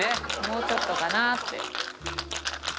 もうちょっとかなって。